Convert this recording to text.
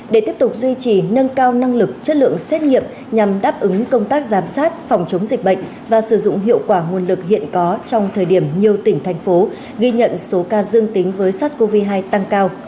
để tiếp tục duy trì nâng cao năng lực chất lượng xét nghiệm nhằm đáp ứng công tác giám sát phòng chống dịch bệnh và sử dụng hiệu quả nguồn lực hiện có trong thời điểm nhiều tỉnh thành phố ghi nhận số ca dương tính với sars cov hai tăng cao